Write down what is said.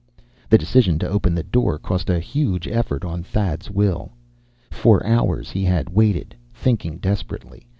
The decision to open the door cost a huge effort of Thad's will. For hours he had waited, thinking desperately.